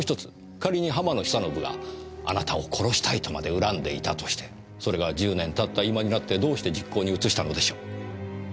仮に浜野久信があなたを殺したいとまで恨んでいたとしてそれが１０年たった今になってどうして実行に移したのでしょう？